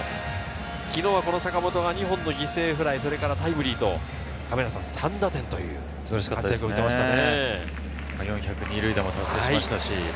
昨日は坂本が２本の犠牲フライ、タイムリーと３打点という活躍を見せましたね。